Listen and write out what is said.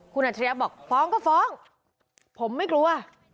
คุณอัจฉริยะบอกฟ้องก็ฟ้องผมไม่กลัว